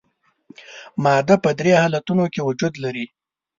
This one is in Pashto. ماده په درې حالتونو کې وجود لري.